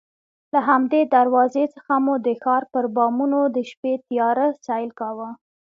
له همدې دروازې څخه مو د ښار پر بامونو د شپې تیاره سیل کاوه.